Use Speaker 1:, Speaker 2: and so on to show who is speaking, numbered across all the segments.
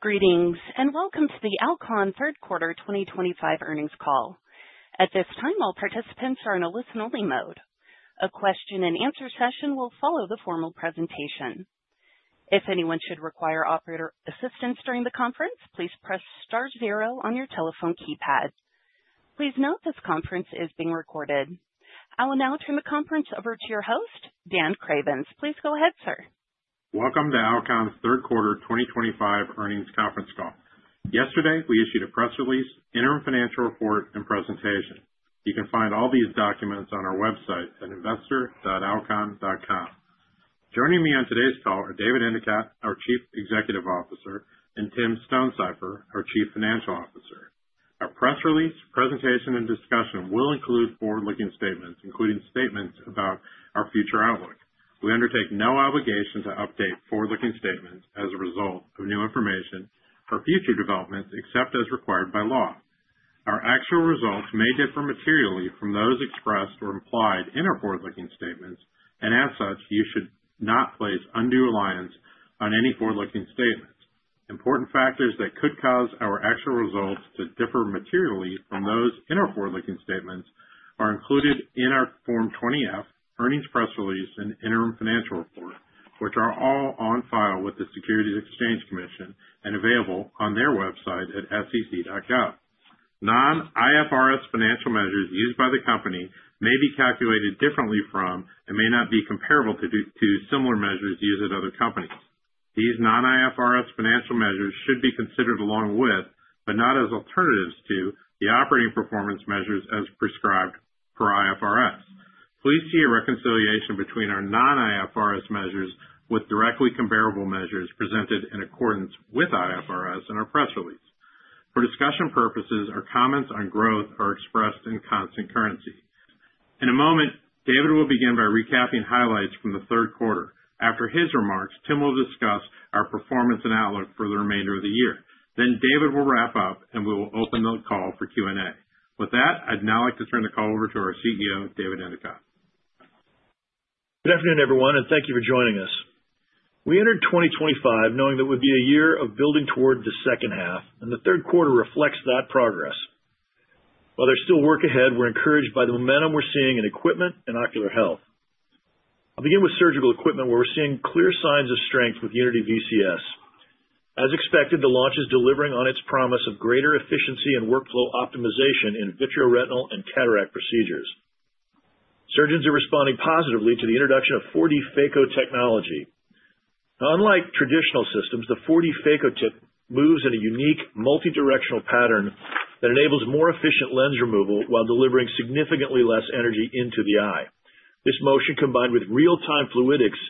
Speaker 1: Greetings and welcome to the Alcon Q3 2025 Earnings Call. At this time, all participants are in a listen-only mode. A question-and-answer session will follow the formal presentation. If anyone should require operator assistance during the conference, please press star zero on your telephone keypad. Please note this conference is being recorded. I will now turn the conference over to your host, Dan Cravens. Please go ahead, sir.
Speaker 2: Welcome to Alcon Q3 2025 Earnings Conference Call. Yesterday, we issued a press release, interim financial report, and presentation. You can find all these documents on our website at investor.alcon.com. Joining me on today's call are David Endicott, our Chief Executive Officer, and Tim Stonesifer, our Chief Financial Officer. Our press release, presentation, and discussion will include forward-looking statements, including statements about our future outlook. We undertake no obligation to update forward-looking statements as a result of new information or future developments except as required by law. Our actual results may differ materially from those expressed or implied in our forward-looking statements, and as such, you should not place undue reliance on any forward-looking statements. Important factors that could cause our actual results to differ materially from those in our forward-looking statements are included in our Form 20-F earnings press release and interim financial report, which are all on file with the Securities and Exchange Commission and available on their website at sec.gov. Non-IFRS financial measures used by the company may be calculated differently from and may not be comparable to similar measures used at other companies. These non-IFRS financial measures should be considered along with, but not as alternatives to, the operating performance measures as prescribed per IFRS. Please see a reconciliation between our non-IFRS measures with directly comparable measures presented in accordance with IFRS in our press release. For discussion purposes, our comments on growth are expressed in constant currency. In a moment, David will begin by recapping highlights from the Q3. After his remarks, Tim will discuss our performance and outlook for the remainder of the year. Then David will wrap up, and we will open the call for Q&A. With that, I'd now like to turn the call over to our CEO, David Endicott.
Speaker 3: Good afternoon, everyone, and thank you for joining us. We entered 2025 knowing that it would be a year of building toward the second half, and the Q3 reflects that progress. While there's still work ahead, we're encouraged by the momentum we're seeing in Equipment and Ocular Health. I'll begin with Surgical Equipment, where we're seeing clear signs of strength with Unity VCS. As expected, the launch is delivering on its promise of greater efficiency and workflow optimization in vitreoretinal and cataract procedures. Surgeons are responding positively to the introduction of 4D Phaco technology. Unlike traditional systems, the 4D Phaco tip moves in a unique multidirectional pattern that enables more efficient lens removal while delivering significantly less energy into the eye. This motion, combined with real-time fluidics,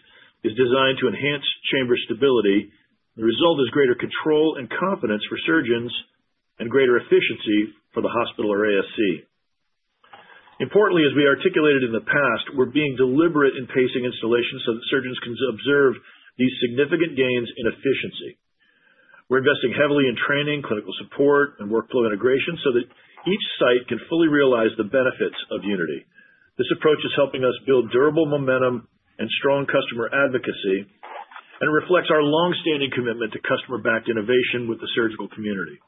Speaker 3: is designed to enhance chamber stability. The result is greater control and confidence for surgeons and greater efficiency for the hospital or ASC. Importantly, as we articulated in the past, we're being deliberate in pacing installations so that surgeons can observe these significant gains in efficiency. We're investing heavily in training, clinical support, and workflow integration so that each site can fully realize the benefits of Unity. This approach is helping us build durable momentum and strong customer advocacy, and it reflects our long-standing commitment to customer-backed innovation with the Surgical community.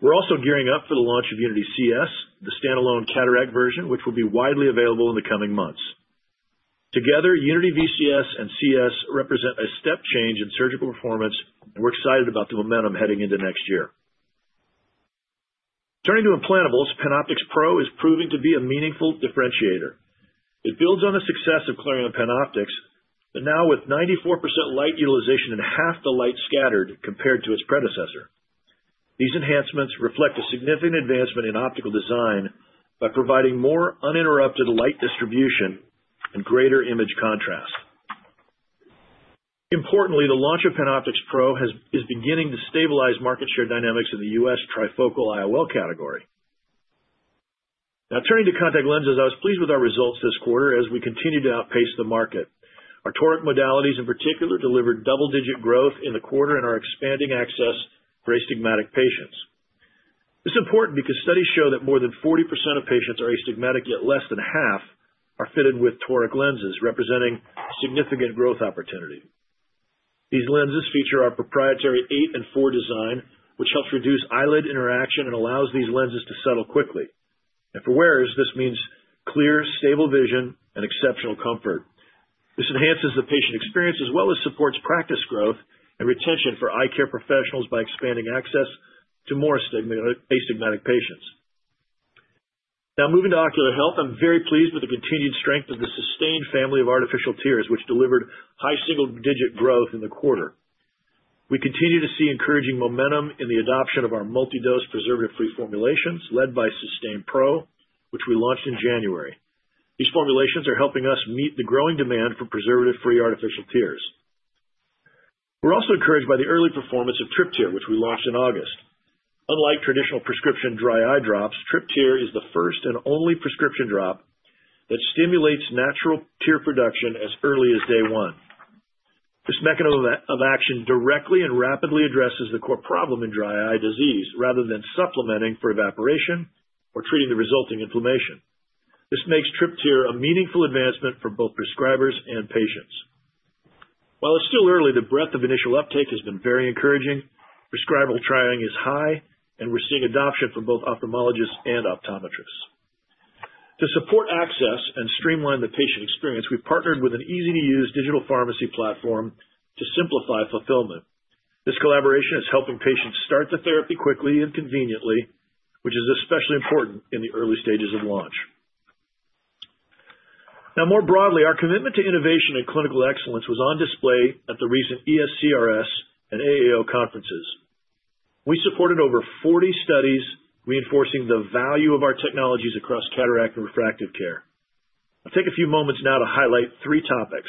Speaker 3: We're also gearing up for the launch of Unity CS, the standalone cataract version, which will be widely available in the coming months. Together, Unity VCS and CS represent a step change in Surgical performance, and we're excited about the momentum heading into next year. Turning to Implantables, PanOptix Pro is proving to be a meaningful differentiator. It builds on the success of Clareon PanOptix, but now with 94% light utilization and half the light scattered compared to its predecessor. These enhancements reflect a significant advancement in optical design by providing more uninterrupted light distribution and greater image contrast. Importantly, the launch of PanOptix Pro is beginning to stabilize market share dynamics in the US trifocal IOL category. Now, turning to Contact Lenses, I was pleased with our results this quarter as we continued to outpace the market. Our toric modalities, in particular, delivered double-digit growth in the quarter in our expanding access for astigmatic patients. This is important because studies show that more than 40% of patients are astigmatic, yet less than half are fitted with toric lenses, representing significant growth opportunity. These lenses feature our proprietary 8 and 4 design, which helps reduce eyelid interaction and allows these lenses to settle quickly. For wearers, this means clear, stable vision and exceptional comfort. This enhances the patient experience as well as supports practice growth and retention for eye care professionals by expanding access to more astigmatic patients. Now, moving to Ocular Health, I'm very pleased with the continued strength of the Systane family of artificial tears, which delivered high single-digit growth in the quarter. We continue to see encouraging momentum in the adoption of our multi-dose preservative-free formulations led by Systane Pro, which we launched in January. These formulations are helping us meet the growing demand for preservative-free artificial tears. We're also encouraged by the early performance of Tryptyr, which we launched in August. Unlike traditional prescription dry eye drops, Tryptyr is the first and only prescription drop that stimulates natural tear production as early as day one. This mechanism of action directly and rapidly addresses the core problem in dry eye disease rather than supplementing for evaporation or treating the resulting inflammation. This makes Tryptyr a meaningful advancement for both prescribers and patients. While it's still early, the breadth of initial uptake has been very encouraging. Prescribable trialing is high, and we're seeing adoption from both ophthalmologists and optometrists. To support access and streamline the patient experience, we partnered with an easy-to-use digital pharmacy platform to simplify fulfillment. This collaboration is helping patients start the therapy quickly and conveniently, which is especially important in the early stages of launch. Now, more broadly, our commitment to innovation and clinical excellence was on display at the recent ESCRS and AAO conferences. We supported over 40 studies reinforcing the value of our technologies across cataract and refractive care. I'll take a few moments now to highlight three topics.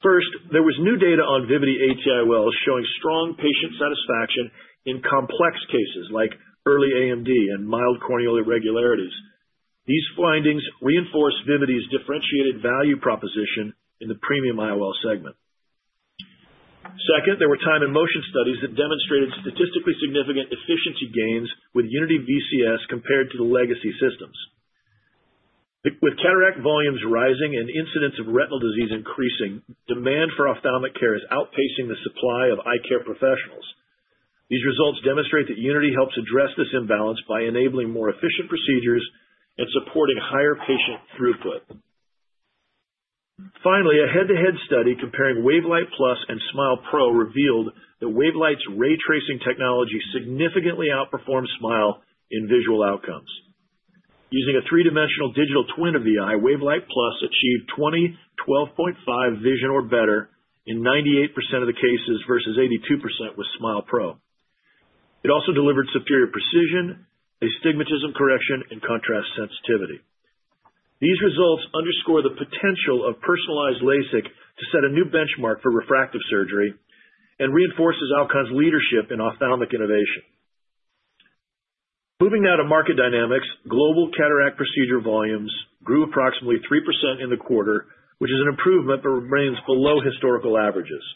Speaker 3: First, there was new data on Vivity AT-IOLs showing strong patient satisfaction in complex cases like early AMD and mild corneal irregularities. These findings reinforce Vivity's differentiated value proposition in the premium IOL segment. Second, there were time and motion studies that demonstrated statistically significant efficiency gains with Unity VCS compared to the legacy systems. With cataract volumes rising and incidents of retinal disease increasing, demand for ophthalmic care is outpacing the supply of eye care professionals. These results demonstrate that Unity helps address this imbalance by enabling more efficient procedures and supporting higher patient throughput. Finally, a head-to-head study comparing WaveLight Plus and SMILE Pro revealed that WaveLight's ray tracing technology significantly outperforms SMILE in visual outcomes. Using a three-dimensional digital twin of the eye, WaveLight Plus achieved 20/12.5 vision or better in 98% of the cases versus 82% with SMILE Pro. It also delivered superior precision, astigmatism correction, and contrast sensitivity. These results underscore the potential of personalized LASIK to set a new benchmark for refractive surgery and reinforces Alcon's leadership in ophthalmic innovation. Moving now to market dynamics, global cataract procedure volumes grew approximately 3% in the quarter, which is an improvement but remains below historical averages.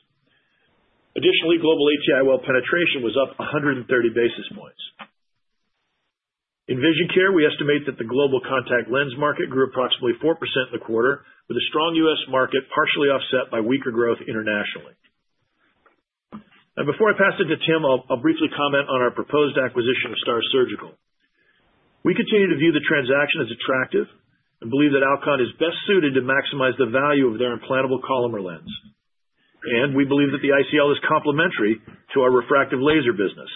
Speaker 3: Additionally, global AT-IOL penetration was up 130 basis points. In Vision Care, we estimate that the global contact lens market grew approximately 4% in the quarter, with a strong US market partially offset by weaker growth internationally. Now, before I pass it to Tim, I'll briefly comment on our proposed acquisition of STAAR Surgical. We continue to view the transaction as attractive and believe that Alcon is best suited to maximize the value of their implantable Collamer lens, and we believe that the ICL is complementary to our refractive laser business.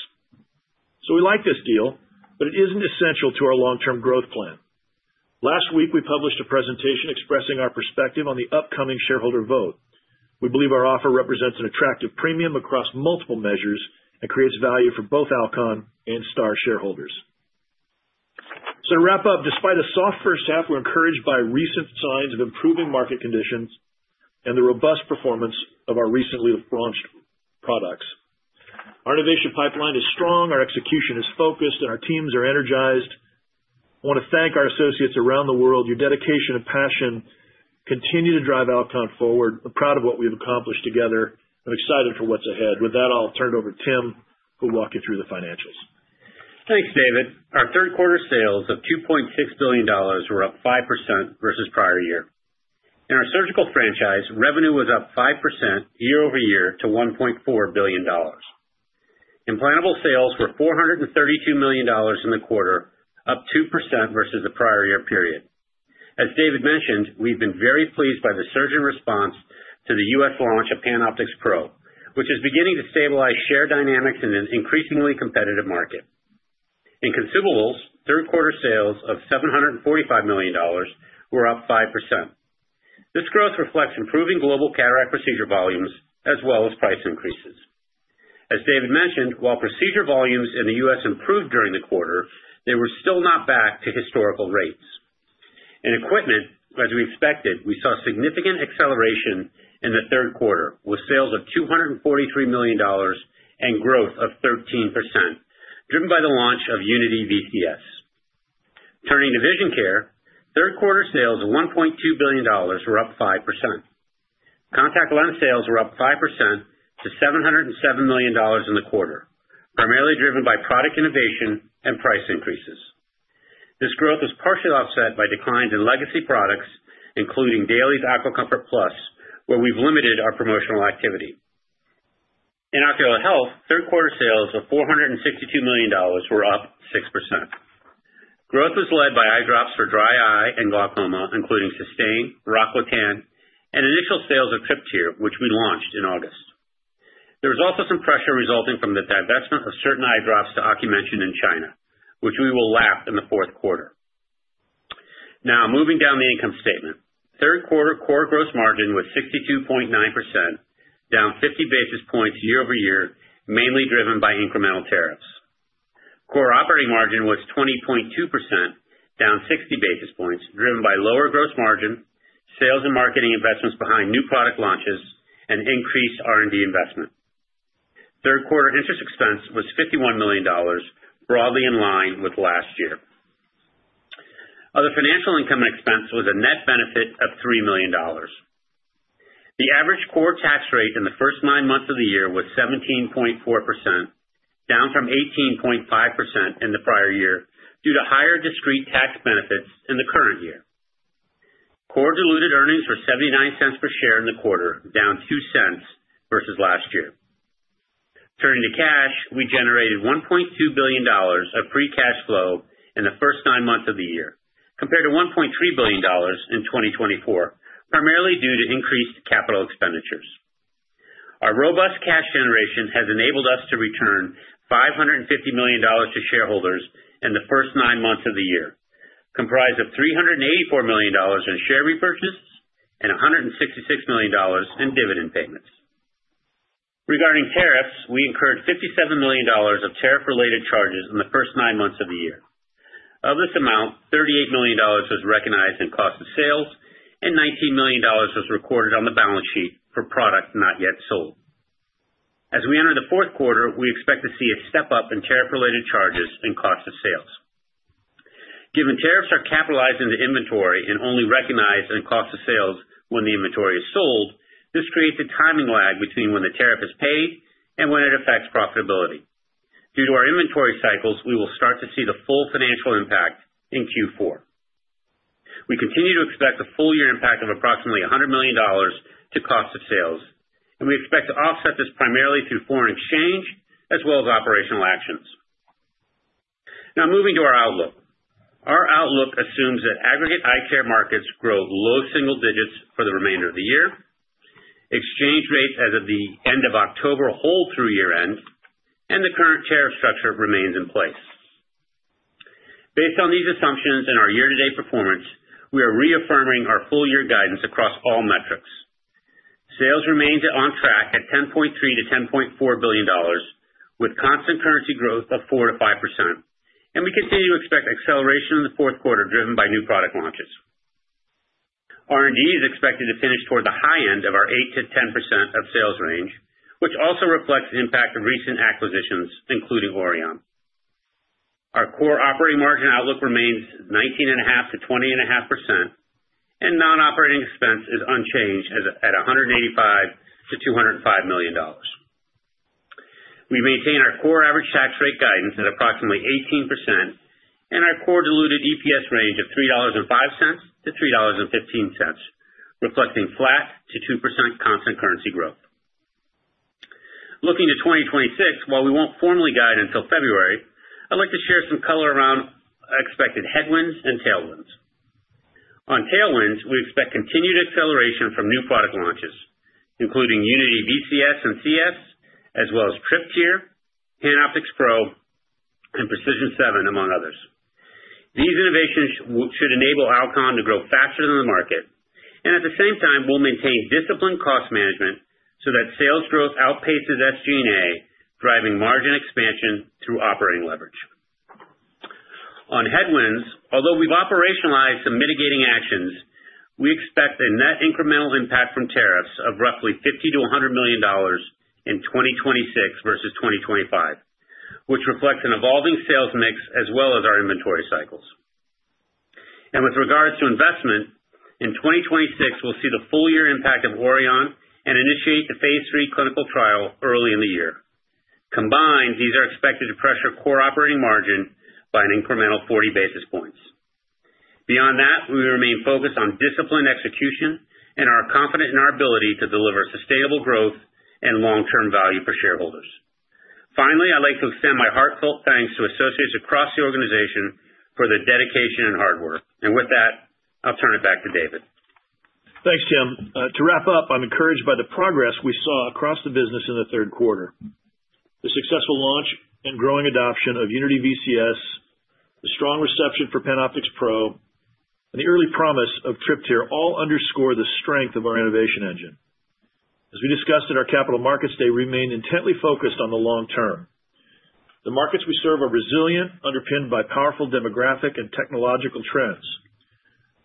Speaker 3: So we like this deal, but it isn't essential to our long-term growth plan. Last week, we published a presentation expressing our perspective on the upcoming shareholder vote. We believe our offer represents an attractive premium across multiple measures and creates value for both Alcon and STAAR shareholders. So to wrap up, despite a soft first half, we're encouraged by recent signs of improving market conditions and the robust performance of our recently launched products. Our innovation pipeline is strong, our execution is focused, and our teams are energized. I want to thank our associates around the world. Your dedication and passion continue to drive Alcon forward. I'm proud of what we've accomplished together and excited for what's ahead. With that, I'll turn it over to Tim, who'll walk you through the financials.
Speaker 4: Thanks, David. Our Q3 sales of $2.6 billion were up 5% versus prior year. In our Surgical franchise, revenue was up 5% year-over-year to $1.4 billion. Implantable sales were $432 million in the quarter, up 2% versus the prior year period. As David mentioned, we've been very pleased by the surge in response to the US launch of PanOptix Pro, which is beginning to stabilize share dynamics in an increasingly competitive market. In Consumables, Q3 sales of $745 million were up 5%. This growth reflects improving global cataract procedure volumes as well as price increases. As David mentioned, while procedure volumes in the US improved during the quarter, they were still not back to historical rates. In Equipment, as we expected, we saw significant acceleration in the Q3 with sales of $243 million and growth of 13%, driven by the launch of Unity VCS. Turning to Vision Care, Q3 sales of $1.2 billion were up 5%. Contact lens sales were up 5% to $707 million in the quarter, primarily driven by product innovation and price increases. This growth was partially offset by declines in legacy products, including Dailies AquaComfort Plus, where we've limited our promotional activity. In Ocular Health, Q3 sales of $462 million were up 6%. Growth was led by eye drops for dry eye and glaucoma, including Systane, Rocklatan, and initial sales of Tryptyr, which we launched in August. There was also some pressure resulting from the divestment of certain eye drops to Ocumension in China, which we will lap in the Q4. Now, moving down the income statement, Q3 core gross margin was 62.9%, down 50 basis points year-over-year, mainly driven by incremental tariffs. Core operating margin was 20.2%, down 60 basis points, driven by lower gross margin, sales and marketing investments behind new product launches, and increased R&D investment. Q3 interest expense was $51 million, broadly in line with last year. Other financial income and expense was a net benefit of $3 million. The average core tax rate in the first nine months of the year was 17.4%, down from 18.5% in the prior year due to higher discrete tax benefits in the current year. Core diluted earnings were $0.79 per share in the quarter, down $0.02 versus last year. Turning to cash, we generated $1.2 billion of free cash flow in the first nine months of the year, compared to $1.3 billion in 2024, primarily due to increased capital expenditures. Our robust cash generation has enabled us to return $550 million to shareholders in the first nine months of the year, comprised of $384 million in share repurchase and $166 million in dividend payments. Regarding tariffs, we incurred $57 million of tariff-related charges in the first nine months of the year. Of this amount, $38 million was recognized in cost of sales, and $19 million was recorded on the balance sheet for product not yet sold. As we enter the Q4, we expect to see a step-up in tariff-related charges and cost of sales. Given tariffs are capitalized into inventory and only recognized in cost of sales when the inventory is sold, this creates a timing lag between when the tariff is paid and when it affects profitability. Due to our inventory cycles, we will start to see the full financial impact in Q4. We continue to expect a full-year impact of approximately $100 million to cost of sales, and we expect to offset this primarily through foreign exchange as well as operational actions. Now, moving to our outlook. Our outlook assumes that aggregate eye care markets grow low single digits for the remainder of the year, exchange rates as of the end of October hold through year-end, and the current tariff structure remains in place. Based on these assumptions and our year-to-date performance, we are reaffirming our full-year guidance across all metrics. Sales remain on track at $10.3 to 10.4 billion, with constant currency growth of 4% to 5%, and we continue to expect acceleration in the Q4 driven by new product launches. R&D is expected to finish toward the high end of our 8% to 10% of sales range, which also reflects the impact of recent acquisitions, including Aurion. Our core operating margin outlook remains 19.5% to 20.5%, and non-operating expense is unchanged at $185 to 205 million. We maintain our core average tax rate guidance at approximately 18% and our core diluted EPS range of $3.05 to 3.15, reflecting flat to 2% constant currency growth. Looking to 2026, while we won't formally guide until February, I'd like to share some color around expected headwinds and tailwinds. On tailwinds, we expect continued acceleration from new product launches, including Unity VCS and CS, as well as Tryptyr, PanOptix Pro, and Precision 7, among others. These innovations should enable Alcon to grow faster than the market, and at the same time, we'll maintain disciplined cost management so that sales growth outpaces SG&A, driving margin expansion through operating leverage. On headwinds, although we've operationalized some mitigating actions, we expect a net incremental impact from tariffs of roughly $50 to 100 million in 2026 versus 2025, which reflects an evolving sales mix as well as our inventory cycles. And with regards to investment, in 2026, we'll see the full-year impact of Aurion and initiate the phase three clinical trial early in the year. Combined, these are expected to pressure core operating margin by an incremental 40 basis points. Beyond that, we remain focused on disciplined execution and are confident in our ability to deliver sustainable growth and long-term value for shareholders. Finally, I'd like to extend my heartfelt thanks to associates across the organization for their dedication and hard work. And with that, I'll turn it back to David.
Speaker 3: Thanks, Tim. To wrap up, I'm encouraged by the progress we saw across the business in the Q3. The successful launch and growing adoption of Unity VCS, the strong reception for PanOptix Pro, and the early promise of Tryptyr all underscore the strength of our innovation engine. As we discussed at our capital markets day, we remain intently focused on the long term. The markets we serve are resilient, underpinned by powerful demographic and technological trends.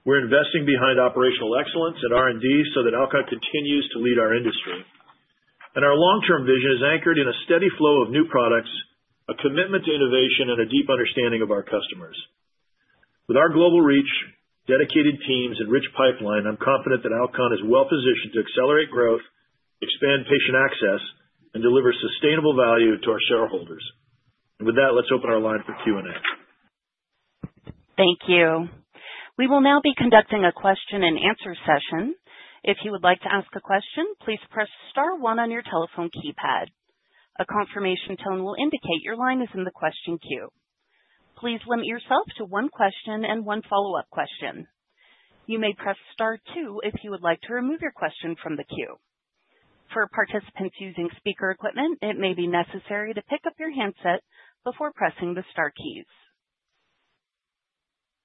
Speaker 3: We're investing behind operational excellence and R&D so that Alcon continues to lead our industry. And our long-term vision is anchored in a steady flow of new products, a commitment to innovation, and a deep understanding of our customers. With our global reach, dedicated teams, and rich pipeline, I'm confident that Alcon is well-positioned to accelerate growth, expand patient access, and deliver sustainable value to our shareholders. With that, let's open our line for Q&A.
Speaker 1: Thank you. We will now be conducting a question-and-answer session. If you would like to ask a question, please press star one on your telephone keypad. A confirmation tone will indicate your line is in the question queue. Please limit yourself to one question and one follow-up question. You may press star two if you would like to remove your question from the queue. For participants using speaker Equipment, it may be necessary to pick up your handset before pressing the star keys.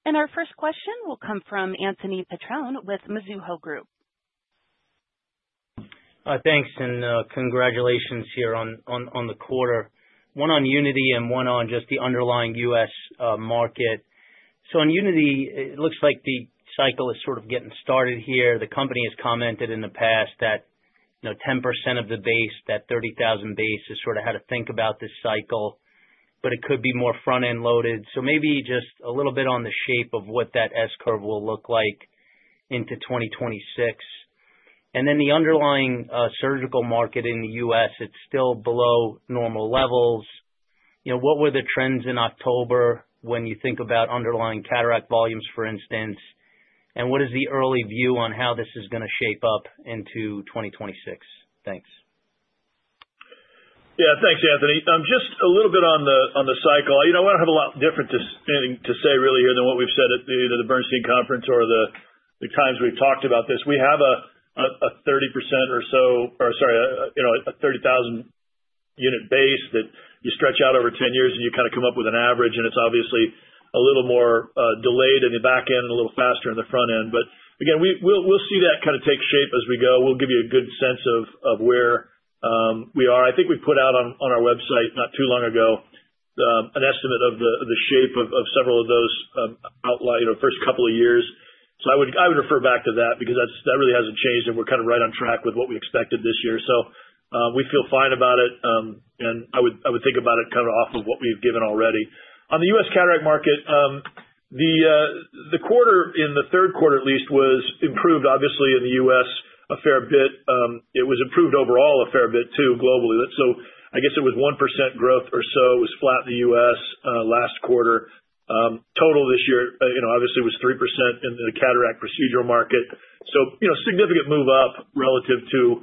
Speaker 1: And our first question will come from Anthony Petrone with Mizuho Group.
Speaker 5: Thanks, and congratulations here on the quarter. One on Unity and one on just the underlying US market. So on Unity, it looks like the cycle is sort of getting started here. The company has commented in the past that 10% of the base, that 30,000 base, is sort of how to think about this cycle, but it could be more front-end loaded. So maybe just a little bit on the shape of what that S-curve will look like into 2026. And then the underlying Surgical market in the US, it's still below normal levels. What were the trends in October when you think about underlying cataract volumes, for instance? And what is the early view on how this is going to shape up into 2026? Thanks.
Speaker 3: Yeah, thanks, Anthony. Just a little bit on the cycle. I don't have a lot different to say really here than what we've said at the Bernstein Conference or the times we've talked about this. We have a 30% or so, or sorry, a 30,000-unit base that you stretch out over 10 years and you kind of come up with an average, and it's obviously a little more delayed in the back end and a little faster in the front end. But again, we'll see that kind of take shape as we go. We'll give you a good sense of where we are. I think we put out on our website not too long ago an estimate of the shape of several of those outlier first couple of years. So I would refer back to that because that really hasn't changed, and we're kind of right on track with what we expected this year. So we feel fine about it, and I would think about it kind of off of what we've given already. On the US cataract market, the quarter in the Q3 at least was improved, obviously, in the US a fair bit. It was improved overall a fair bit too globally. So I guess it was 1% growth or so. It was flat in the US last quarter. Total this year, obviously, was 3% in the cataract procedural market. So significant move up relative to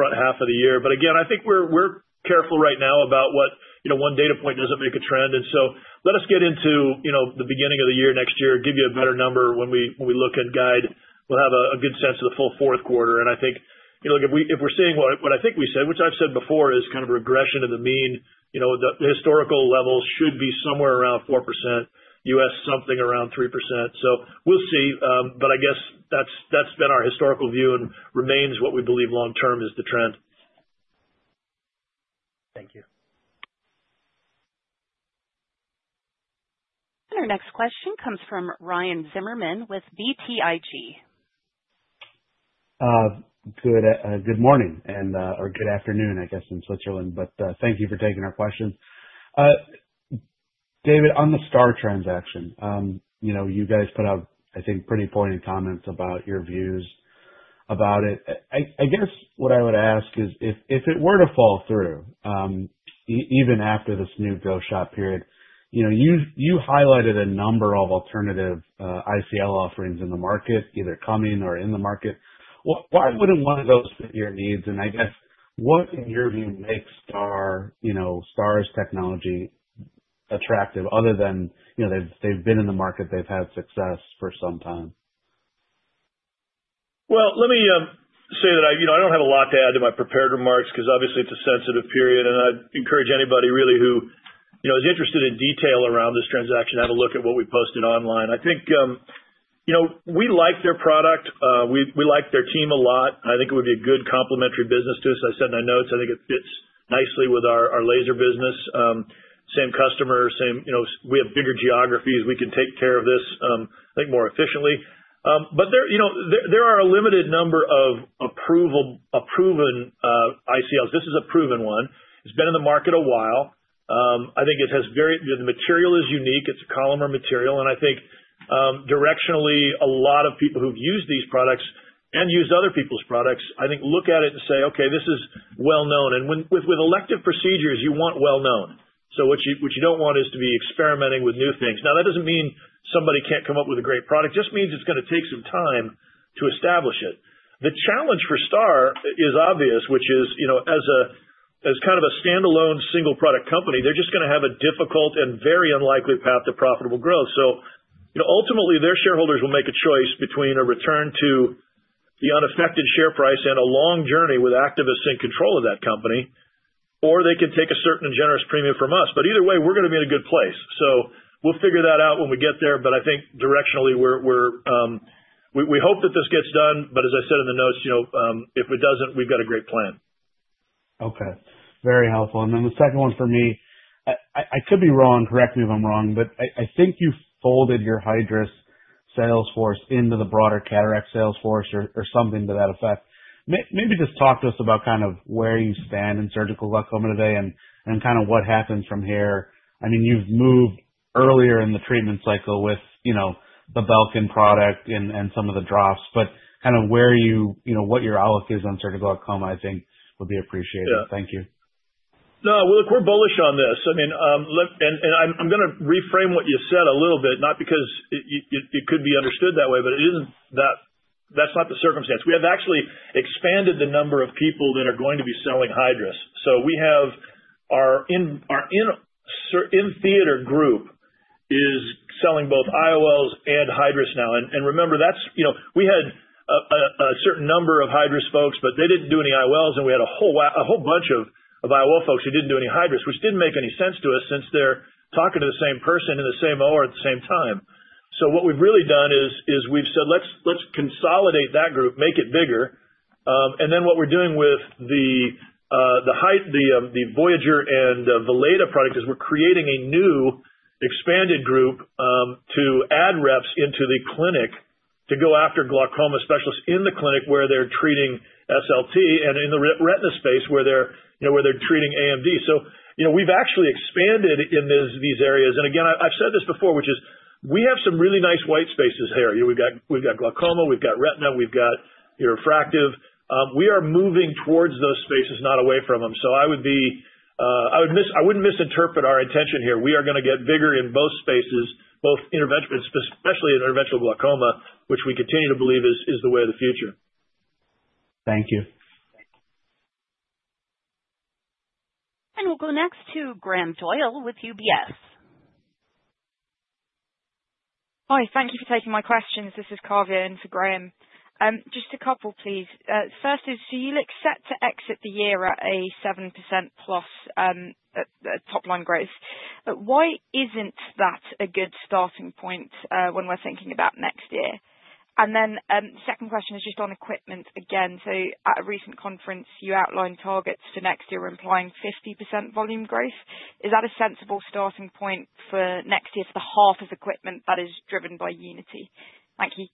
Speaker 3: front half of the year. But again, I think we're careful right now about what one data point doesn't make a trend. And so let us get into the beginning of the year next year, give you a better number when we look and guide. We'll have a good sense of the full Q4. And I think if we're seeing what I think we said, which I've said before, is kind of a regression to the mean, the historical levels should be somewhere around 4%, US something around 3%. So we'll see. But I guess that's been our historical view and remains what we believe long-term is the trend.
Speaker 5: Thank you.
Speaker 1: Our next question comes from Ryan Zimmerman with BTIG.
Speaker 6: Good morning or good afternoon, I guess, in Switzerland, but thank you for taking our questions. David, on the STAAR transaction, you guys put out, I think, pretty poignant comments about your views about it. I guess what I would ask is, if it were to fall through, even after this new go-shop period, you highlighted a number of alternative ICL offerings in the market, either coming or in the market. Why wouldn't one of those fit your needs? And I guess, what in your view makes STAAR's technology attractive other than they've been in the market, they've had success for some time?
Speaker 3: Let me say that I don't have a lot to add to my prepared remarks because obviously it's a sensitive period, and I'd encourage anybody really who is interested in detail around this transaction to have a look at what we posted online. I think we like their product. We like their team a lot. I think it would be a good complementary business to this. I said in my notes, I think it fits nicely with our laser business. Same customer base. We have bigger geographies. We can take care of this, I think, more efficiently. But there are a limited number of approved ICLs. This is a proven one. It's been in the market a while. I think it has a very unique material. It's a Collamer material. I think directionally, a lot of people who've used these products and used other people's products, I think, look at it and say, "Okay, this is well-known." And with elective procedures, you want well-known. So what you don't want is to be experimenting with new things. Now, that doesn't mean somebody can't come up with a great product. It just means it's going to take some time to establish it. The challenge for STAAR is obvious, which is, as kind of a standalone single-product company, they're just going to have a difficult and very unlikely path to profitable growth. So ultimately, their shareholders will make a choice between a return to the unaffected share price and a long journey with activists in control of that company, or they can take a certain generous premium from us. But either way, we're going to be in a good place. So we'll figure that out when we get there. But I think directionally, we hope that this gets done. But as I said in the notes, if it doesn't, we've got a great plan.
Speaker 6: Okay. Very helpful. And then the second one for me, I could be wrong. Correct me if I'm wrong, but I think you folded your Hydrus sales force into the broader Cataract sales force or something to that effect. Maybe just talk to us about kind of where you stand in Surgical glaucoma today and kind of what happens from here. I mean, you've moved earlier in the treatment cycle with the Belkin product and some of the drops, but kind of where you, what your outlook is on Surgical glaucoma, I think, would be appreciated. Thank you.
Speaker 3: No, we're bullish on this. I mean, and I'm going to reframe what you said a little bit, not because it could be understood that way, but that's not the circumstance. We have actually expanded the number of people that are going to be selling Hydrus. So we have our in-theater group is selling both IOLs and Hydrus now. And remember, we had a certain number of Hydrus folks, but they didn't do any IOLs, and we had a whole bunch of IOL folks who didn't do any Hydrus, which didn't make any sense to us since they're talking to the same person in the same hour at the same time. So what we've really done is we've said, "Let's consolidate that group, make it bigger." And then what we're doing with the Voyager and Valeda product is we're creating a new expanded group to add reps into the clinic to go after glaucoma specialists in the clinic where they're treating SLT and in the retina space where they're treating AMD. So we've actually expanded in these areas. And again, I've said this before, which is we have some really nice white spaces here. We've got glaucoma, we've got retina, we've got refractive. We are moving towards those spaces, not away from them. So I wouldn't misinterpret our intention here. We are going to get bigger in both spaces, especially in interventional glaucoma, which we continue to believe is the way of the future.
Speaker 6: Thank you.
Speaker 1: We'll go next to Graham Doyle with UBS.
Speaker 7: Hi, thank you for taking my questions. This is Kavya in for Graham. Just a couple, please. First is, so you look set to exit the year at a 7% plus top-line growth. Why isn't that a good starting point when we're thinking about next year? And then the second question is just on Equipment again. So at a recent conference, you outlined targets for next year implying 50% volume growth. Is that a sensible starting point for next year for the half of Equipment that is driven by Unity? Thank you.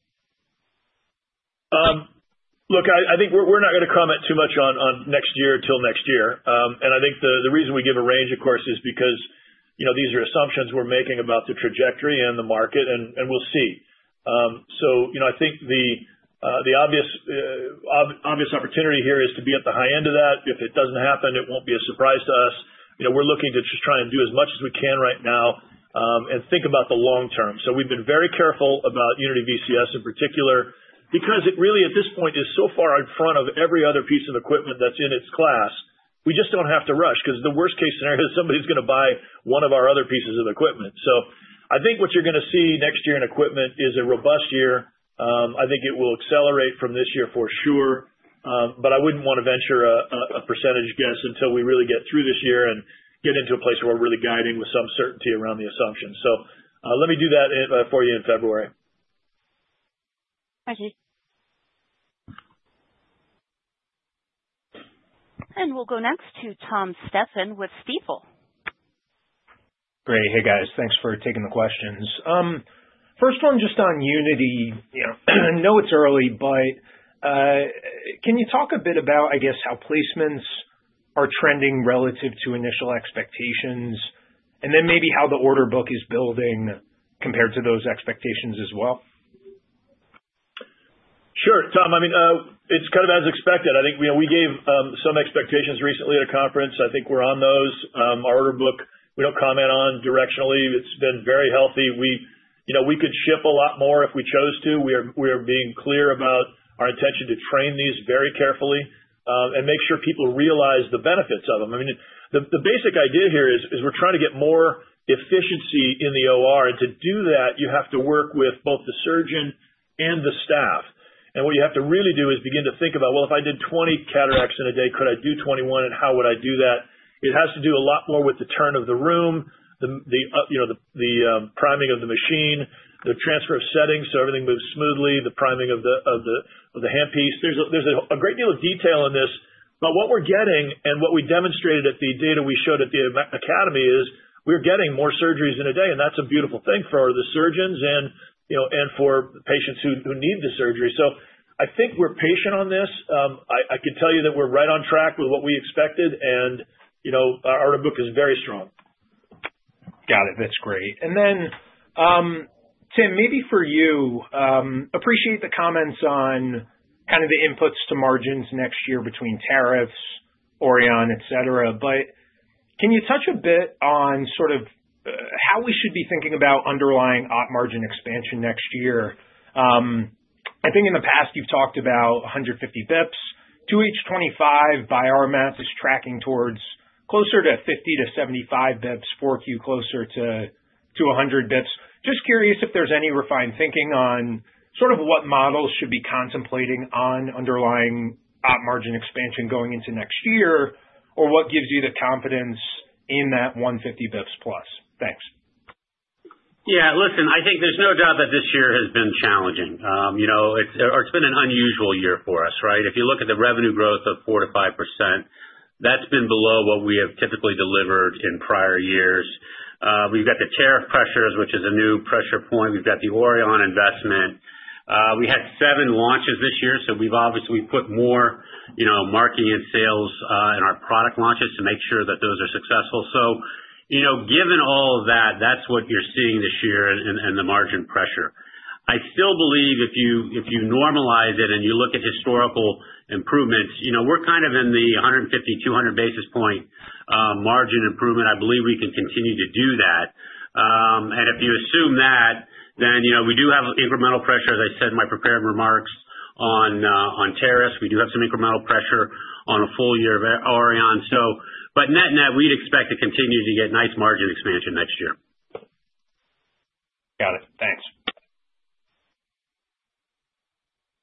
Speaker 3: Look, I think we're not going to comment too much on next year till next year. And I think the reason we give a range, of course, is because these are assumptions we're making about the trajectory and the market, and we'll see. So I think the obvious opportunity here is to be at the high end of that. If it doesn't happen, it won't be a surprise to us. We're looking to just try and do as much as we can right now and think about the long term. So we've been very careful about Unity VCS in particular because it really, at this point, is so far in front of every other piece of Equipment that's in its class. We just don't have to rush because the worst-case scenario is somebody's going to buy one of our other pieces of Equipment. I think what you're going to see next year in Equipment is a robust year. I think it will accelerate from this year for sure, but I wouldn't want to venture a percentage guess until we really get through this year and get into a place where we're really guiding with some certainty around the assumptions. Let me do that for you in February.
Speaker 1: Thank you. And we'll go next to Tom Stephan with Stifel.
Speaker 8: Great. Hey, guys. Thanks for taking the questions. First one, just on Unity. I know it's early, but can you talk a bit about, I guess, how placements are trending relative to initial expectations and then maybe how the order book is building compared to those expectations as well?
Speaker 3: Sure. Tom, I mean, it's kind of as expected. I think we gave some expectations recently at a conference. I think we're on those. Our order book, we don't comment on directionally. It's been very healthy. We could ship a lot more if we chose to. We are being clear about our intention to train these very carefully and make sure people realize the benefits of them. I mean, the basic idea here is we're trying to get more efficiency in the OR, and to do that, you have to work with both the surgeon and the staff. And what you have to really do is begin to think about, "Well, if I did 20 cataracts in a day, could I do 21, and how would I do that?" It has to do a lot more with the turn of the room, the priming of the machine, the transfer of settings so everything moves smoothly, the priming of the handpiece. There's a great deal of detail in this. But what we're getting and what we demonstrated at the data we showed at the academy is we're getting more surgeries in a day, and that's a beautiful thing for the surgeons and for patients who need the surgery. So I think we're patient on this. I can tell you that we're right on track with what we expected, and our order book is very strong.
Speaker 4: Got it. That's great. And then, Tim, maybe for you, appreciate the comments on kind of the inputs to margins next year between tariffs, Aurion, etc. But can you touch a bit on sort of how we should be thinking about underlying margin expansion next year? I think in the past, you've talked about 150 basis points. 2H 2025 by our math is tracking towards closer to 50 to 75 basis points, 4Q closer to 100 basis points. Just curious if there's any refined thinking on sort of what models should be contemplating on underlying margin expansion going into next year or what gives you the confidence in that 150 basis points plus.?Thanks. Yeah. Listen, I think there's no doubt that this year has been challenging. It's been an unusual year for us, right? If you look at the revenue growth of 4% to 5%, that's been below what we have typically delivered in prior years. We've got the tariff pressures, which is a new pressure point. We've got the Aurion investment. We had seven launches this year, so we've obviously put more marketing and sales in our product launches to make sure that those are successful, so given all of that, that's what you're seeing this year and the margin pressure. I still believe if you normalize it and you look at historical improvements, we're kind of in the 150 to 200 basis point margin improvement. I believe we can continue to do that, and if you assume that, then we do have incremental pressure. As I said in my prepared remarks on tariffs, we do have some incremental pressure on a full year of Aurion. But net-net, we'd expect to continue to get nice margin expansion next year.
Speaker 8: Got it. Thanks.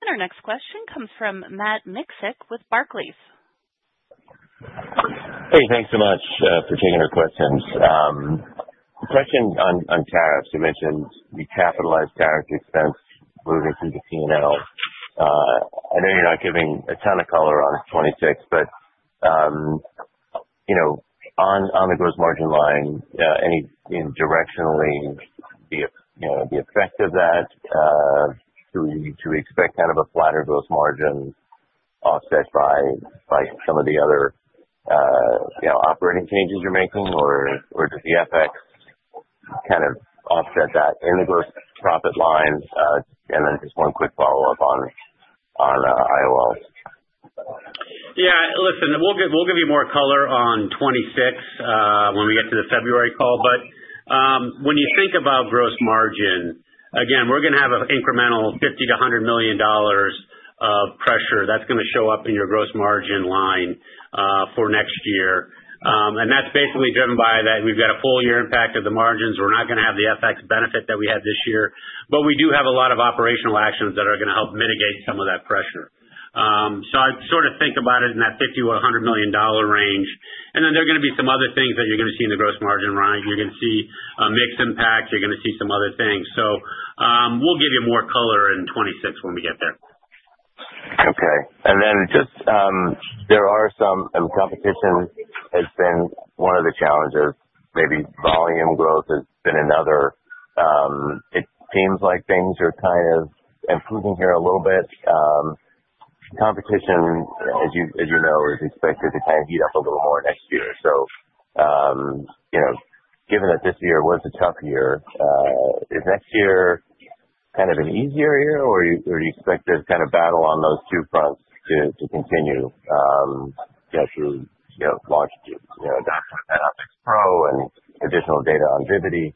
Speaker 1: Our next question comes from Matt Miksic with Barclays.
Speaker 9: Hey, thanks so much for taking our questions. The question on tariffs, you mentioned the capitalized tariff expense moving through the P&L. I know you're not giving a ton of color on 26, but on the gross margin line, directionally, the effect of that, do we expect kind of a flatter gross margin offset by some of the other operating changes you're making, or does the FX kind of offset that in the gross profit line? And then just one quick follow-up on IOL.
Speaker 4: Yeah. Listen, we'll give you more color on 2026 when we get to the February call. But when you think about gross margin, again, we're going to have an incremental $50 million to 100 million of pressure that's going to show up in your gross margin line for next year. And that's basically driven by that we've got a full year impact of the margins. We're not going to have the FX benefit that we had this year, but we do have a lot of operational actions that are going to help mitigate some of that pressure. So I'd sort of think about it in that $50 million to $100 million range. And then there are going to be some other things that you're going to see in the gross margin right, You're going to see mixed impacts. You're going to see some other things. We'll give you more color in 2026 when we get there.
Speaker 9: Okay. And then just there are some competition has been one of the challenges. Maybe volume growth has been another. It seems like things are kind of improving here a little bit. Competition, as you know, is expected to kind of heat up a little more next year. So given that this year was a tough year, is next year kind of an easier year, or do you expect to kind of battle on those two fronts to continue through launch to adopt PanOptix Pro and additional data on Vivity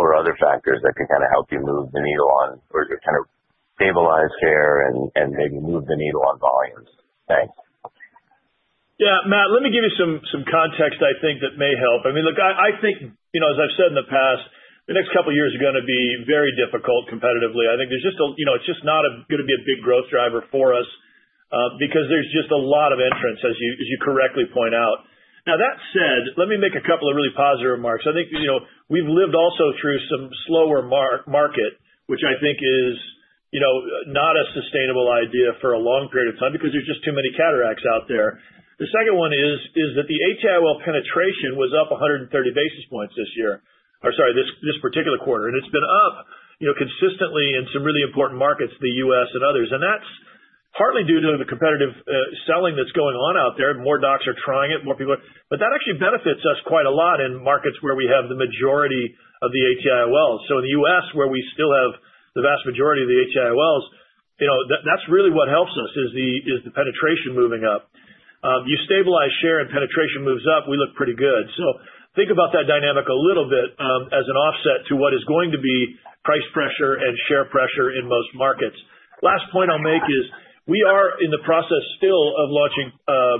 Speaker 9: or other factors that can kind of help you move the needle on or kind of stabilize share and maybe move the needle on volumes? Thanks.
Speaker 3: Yeah. Matt, let me give you some context, I think, that may help. I mean, look, I think, as I've said in the past, the next couple of years are going to be very difficult competitively. I think there's just, it's just not going to be a big growth driver for us because there's just a lot of entrants, as you correctly point out. Now, that said, let me make a couple of really positive remarks. I think we've lived also through some slower market, which I think is not a sustainable idea for a long period of time because there's just too many cataracts out there. The second one is that the AT-IOL penetration was up 130 basis points this year or sorry, this particular quarter, and it's been up consistently in some really important markets, the US and others. And that's partly due to the competitive selling that's going on out there. More docs are trying it, more people. But that actually benefits us quite a lot in markets where we have the majority of the AT-IOLs. So in the US, where we still have the vast majority of the AT-IOLs, that's really what helps us is the penetration moving up. You stabilize share and penetration moves up, we look pretty good. So think about that dynamic a little bit as an offset to what is going to be price pressure and share pressure in most markets. Last point I'll make is we are in the process still of launching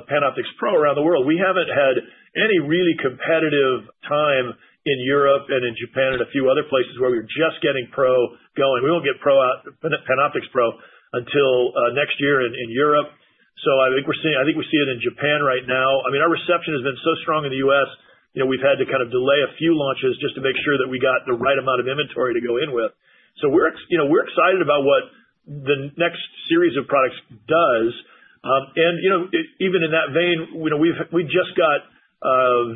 Speaker 3: PanOptix Pro around the world. We haven't had any really competitive time in Europe and in Japan and a few other places where we're just getting Pro going. We won't get PanOptix Pro until next year in Europe. So I think we see it in Japan right now. I mean, our reception has been so strong in the US, we've had to kind of delay a few launches just to make sure that we got the right amount of inventory to go in with. We're excited about what the next series of products does. Even in that vein, we've just got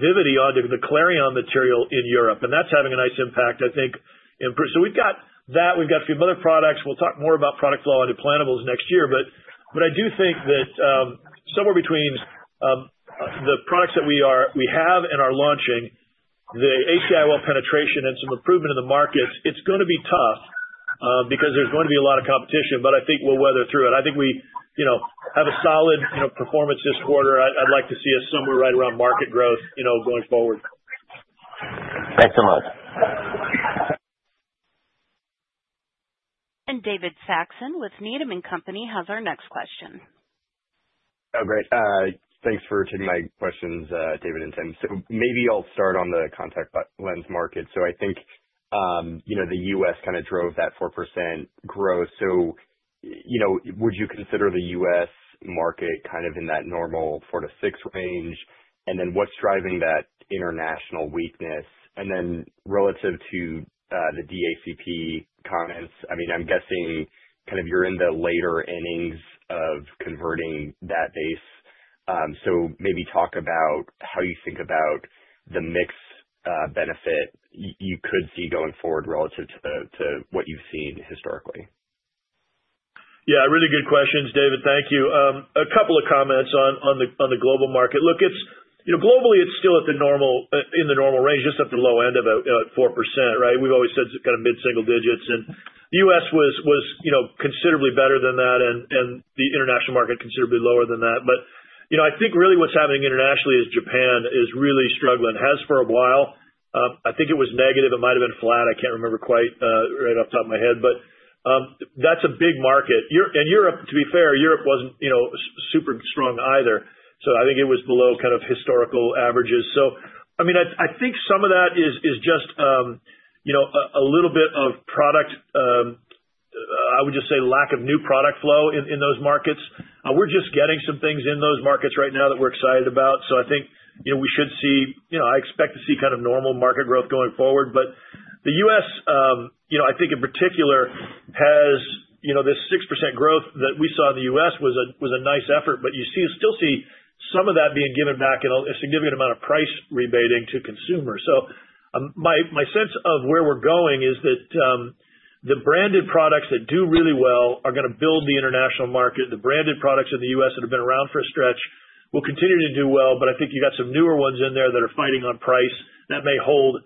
Speaker 3: Vivity onto the Clareon material in Europe, and that's having a nice impact, I think. We've got that. We've got a few other products. We'll talk more about product flow onto Implantables next year. I do think that somewhere between the products that we have and are launching, the AT-IOL penetration and some improvement in the markets, it's going to be tough because there's going to be a lot of competition, but I think we'll weather through it. I think we have a solid performance this quarter. I'd like to see us somewhere right around market growth going forward.
Speaker 9: Thanks so much.
Speaker 1: David Saxon with Needham & Company has our next question.
Speaker 10: Oh, great. Thanks for taking my questions, David and Tim. So maybe I'll start on the contact lens market. So I think the US kind of drove that 4% growth. So would you consider the US market kind of in that normal 4% to 6% range? And then what's driving that international weakness? And then relative to the DACP comments, I mean, I'm guessing kind of you're in the later innings of converting that base. So maybe talk about how you think about the mix benefit you could see going forward relative to what you've seen historically.
Speaker 3: Yeah. Really good questions, David. Thank you. A couple of comments on the global market. Look, globally, it's still in the normal range, just at the low end of 4%, right? We've always said kind of mid-single digits, and the US was considerably better than that, and the international market considerably lower than that, but I think really what's happening internationally is Japan is really struggling. Has for a while. I think it was negative. It might have been flat. I can't remember quite right off the top of my head, but that's a big market, and Europe, to be fair, Europe wasn't super strong either, so I think it was below kind of historical averages. I mean, I think some of that is just a little bit of product, I would just say lack of new product flow in those markets. We're just getting some things in those markets right now that we're excited about. So I think we should see I expect to see kind of normal market growth going forward. But the US, I think in particular, has this 6% growth that we saw in the US was a nice effort, but you still see some of that being given back in a significant amount of price rebating to consumers. So my sense of where we're going is that the branded products that do really well are going to build the international market. The branded products in the US that have been around for a stretch will continue to do well. But I think you've got some newer ones in there that are fighting on price that may hold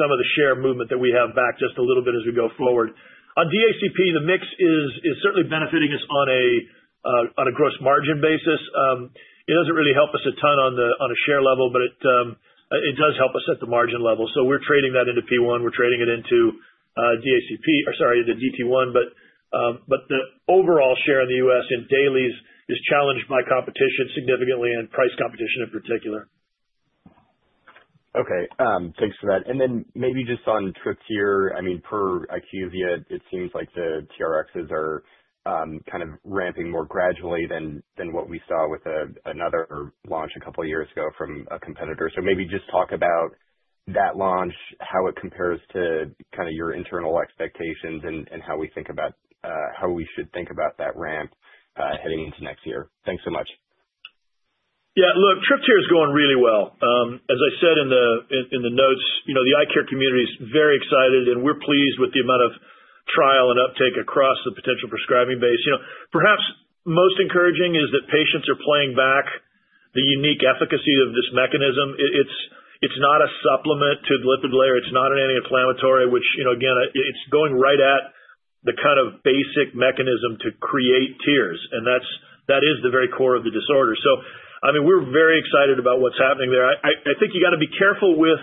Speaker 3: some of the share movement that we have back just a little bit as we go forward. On DACP, the mix is certainly benefiting us on a gross margin basis. It doesn't really help us a ton on a share level, but it does help us at the margin level. So we're trading that into P1. We're trading it into DACP or sorry, into DT1. But the overall share in the US in Dailies is challenged by competition significantly and price competition in particular.
Speaker 10: Okay. Thanks for that. And then maybe just on Tryptyr, I mean, per IQVIA, it seems like the TRXs are kind of ramping more gradually than what we saw with another launch a couple of years ago from a competitor. So maybe just talk about that launch, how it compares to kind of your internal expectations and how we think about how we should think about that ramp heading into next year? Thanks so much.
Speaker 3: Yeah. Look, Tryptyr is going really well. As I said in the notes, the eye care community is very excited, and we're pleased with the amount of trial and uptake across the potential prescribing base. Perhaps most encouraging is that patients are playing back the unique efficacy of this mechanism. It's not a supplement to the lipid layer. It's not an anti-inflammatory, which, again, it's going right at the kind of basic mechanism to create tears. And that is the very core of the disorder. So I mean, we're very excited about what's happening there. I think you got to be careful with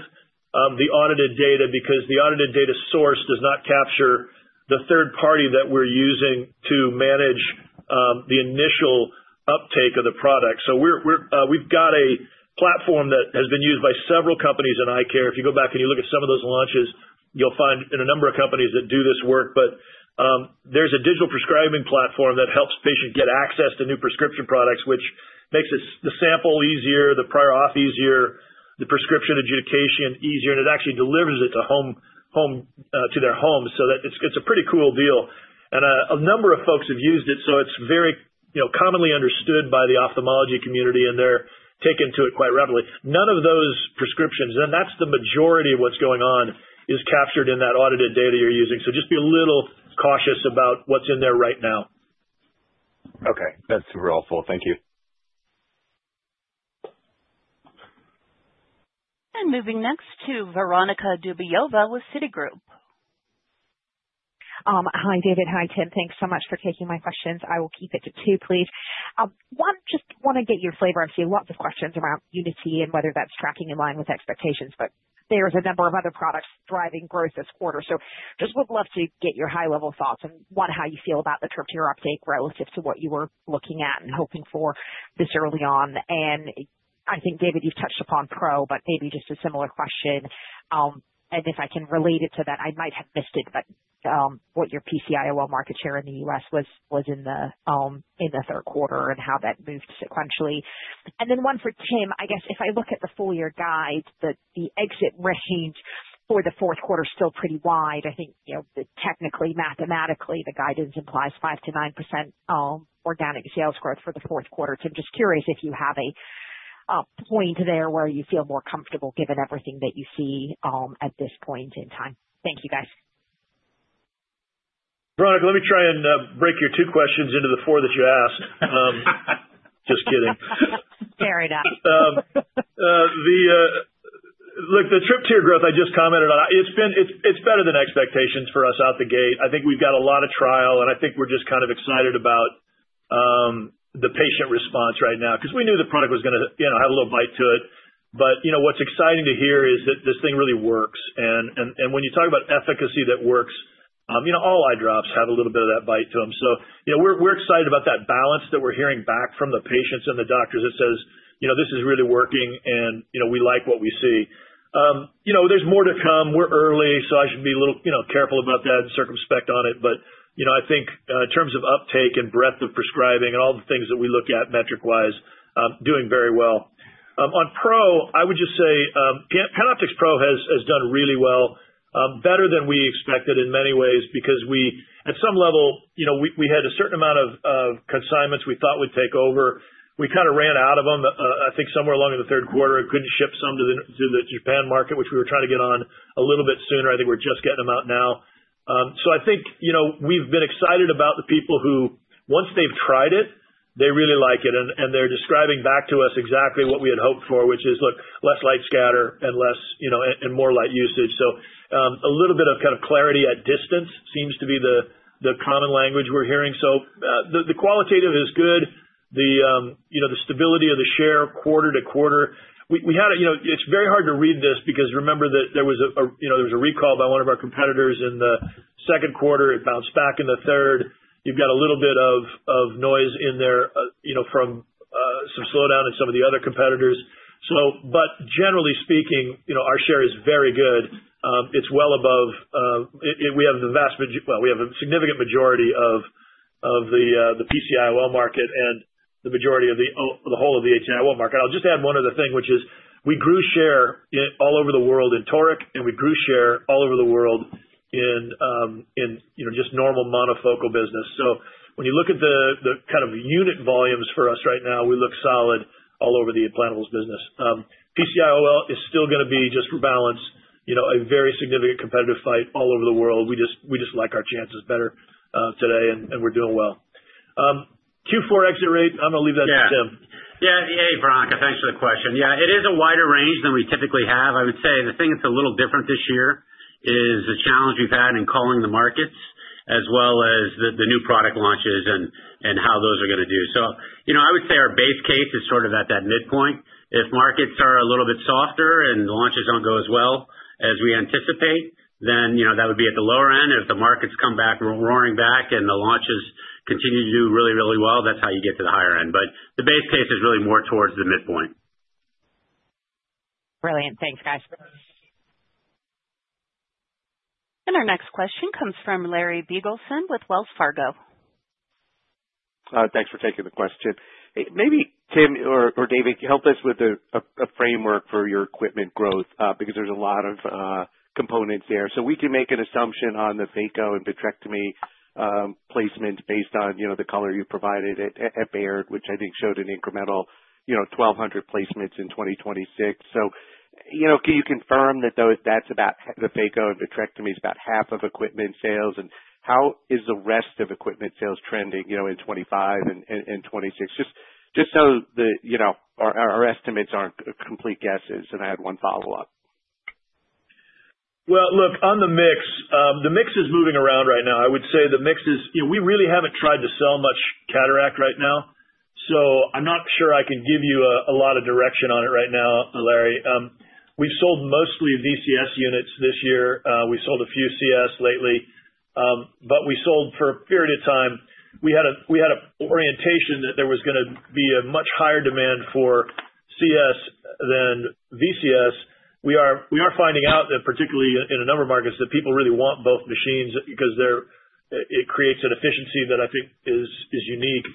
Speaker 3: the audited data because the audited data source does not capture the third party that we're using to manage the initial uptake of the product. So we've got a platform that has been used by several companies in eye care. If you go back and you look at some of those launches, you'll find in a number of companies that do this work. But there's a digital prescribing platform that helps patients get access to new prescription products, which makes the sample easier, the prior auth easier, the prescription adjudication easier. And it actually delivers it to their homes so that it's a pretty cool deal. And a number of folks have used it. So it's very commonly understood by the ophthalmology community, and they're taking to it quite readily. None of those prescriptions, and that's the majority of what's going on, is captured in that audited data you're using. So just be a little cautious about what's in there right now.
Speaker 10: Okay. That's super helpful. Thank you.
Speaker 1: And moving next to Veronika Dubajova with Citigroup.
Speaker 11: Hi, David. Hi, Tim. Thanks so much for taking my questions. I will keep it to two, please. Just want to get your flavor. I'm seeing lots of questions around Unity and whether that's tracking in line with expectations. But there is a number of other products driving growth this quarter. So just would love to get your high-level thoughts and what, how you feel about the Tryptyr update relative to what you were looking at and hoping for this early on. And I think, David, you've touched upon Pro, but maybe just a similar question. And if I can relate it to that, I might have missed it, but what your PC-IOL market share in the US was in the Q3 and how that moved sequentially. One for Tim, I guess if I look at the full year guide, the exit range for the Q4 is still pretty wide. I think technically, mathematically, the guidance implies 5% to 9% organic sales growth for the Q4. I'm just curious if you have a point there where you feel more comfortable given everything that you see at this point in time? Thank you, guys.
Speaker 3: Veronika, let me try and break your two questions into the four that you asked. Just kidding.
Speaker 11: Fair enough.
Speaker 3: Look, the Tryptyr growth I just commented on, it's better than expectations for us out the gate. I think we've got a lot of trial, and I think we're just kind of excited about the patient response right now because we knew the product was going to have a little bite to it. But what's exciting to hear is that this thing really works. And when you talk about efficacy that works, all eye drops have a little bit of that bite to them. So we're excited about that balance that we're hearing back from the patients and the doctors that says, "This is really working, and we like what we see." There's more to come. We're early, so I should be a little careful about that and circumspect on it. But I think in terms of uptake and breadth of prescribing and all the things that we look at metric-wise, doing very well. On Pro, I would just say PanOptix Pro has done really well, better than we expected in many ways because at some level, we had a certain amount of consignments we thought would take over. We kind of ran out of them, I think, somewhere along in the Q3. I couldn't ship some to the Japan market, which we were trying to get on a little bit sooner. I think we're just getting them out now. So I think we've been excited about the people who, once they've tried it, they really like it. And they're describing back to us exactly what we had hoped for, which is, "Look, less light scatter and more light usage." So a little bit of kind of clarity at distance seems to be the common language we're hearing. So the qualitative is good. The stability of the share quarter to quarter. It's very hard to read this because remember that there was a recall by one of our competitors in the Q2. It bounced back in the third. You've got a little bit of noise in there from some slowdown in some of the other competitors. But generally speaking, our share is very good. It's well above. We have the vast, well, we have a significant majority of the PC-IOL market and the majority of the whole of the AT-IOL market. I'll just add one other thing, which is we grew share all over the world in toric, and we grew share all over the world in just normal monofocal business. So when you look at the kind of unit volumes for us right now, we look solid all over the Implantables business. PC-IOL is still going to be, just for balance, a very significant competitive fight all over the world. We just like our chances better today, and we're doing well. Q4 exit rate, I'm going to leave that to Tim.
Speaker 4: Yeah. Hey, Veronika. Thanks for the question. Yeah. It is a wider range than we typically have. I would say the thing that's a little different this year is the challenge we've had in calling the markets as well as the new product launches and how those are going to do. So I would say our base case is sort of at that midpoint. If markets are a little bit softer and launches don't go as well as we anticipate, then that would be at the lower end. If the markets come back roaring back and the launches continue to do really, really well, that's how you get to the higher end. But the base case is really more towards the midpoint.
Speaker 11: Brilliant. Thanks, guys.
Speaker 1: Our next question comes from Larry Biegelsen with Wells Fargo.
Speaker 12: Thanks for taking the question. Maybe Tim or David, help us with a framework for your Equipment growth because there's a lot of components there. So we can make an assumption on the phaco and vitrectomy placement based on the color you provided at Baird, which I think showed an incremental 1,200 placements in 2026. So can you confirm that that's about the phaco and vitrectomy is about half of Equipment sales? And how is the rest of Equipment sales trending in 2025 and 2026? Just so our estimates aren't complete guesses, and I had one follow-up.
Speaker 3: Look, on the mix, the mix is moving around right now. I would say the mix is we really haven't tried to sell much cataract right now. So I'm not sure I can give you a lot of direction on it right now, Larry. We've sold mostly VCS units this year. We sold a few CS lately. But we sold for a period of time. We had an orientation that there was going to be a much higher demand for CS than VCS. We are finding out that particularly in a number of markets that people really want both machines because it creates an efficiency that I think is unique.